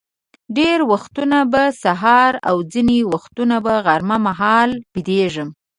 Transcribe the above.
ډېر وختونه به سهار او ځینې وختونه به غرمه مهال بېدېدم.